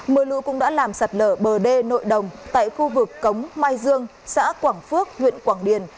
mưa lũ cũng đã làm sạt lở bờ đê nội đồng tại khu vực cống mai dương xã quảng phước huyện quảng điền